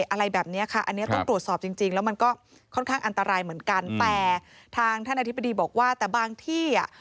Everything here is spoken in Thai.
อะไรแบบเนี้ยค่ะอันนี้ต้องตรวจสอบจริงจริงแล้วมันก็ค่อนข้างอันตรายเหมือนกันแต่ทางท่านอธิบดีบอกว่าแต่บางที่อ่ะ